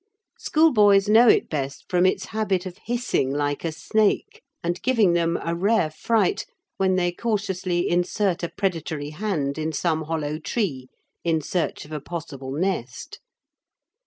Schoolboys know it best from its habit of hissing like a snake and giving them a rare fright when they cautiously insert a predatory hand in some hollow tree in search of a possible nest.